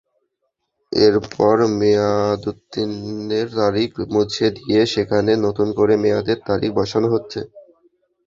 এরপর মেয়াদোত্তীর্ণের তারিখ মুছে দিয়ে সেখানে নতুন করে মেয়াদের তারিখ বসানো হচ্ছে।